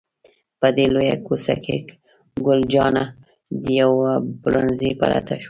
په دې لویه کوڅه کې، ګل جانه د یوه پلورنځي په لټه شوه.